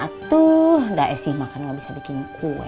atuh dah esi makan bisa bikin kue